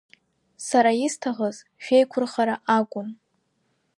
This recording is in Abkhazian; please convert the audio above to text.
Сара исҭахыз шәеиқәырхара акәын.